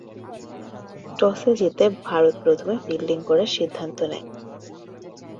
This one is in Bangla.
টসে জিতে ভারত প্রথমে ফিল্ডিং করার সিদ্ধান্ত নেয়।